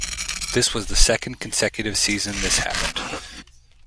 This was the second consecutive season this happened.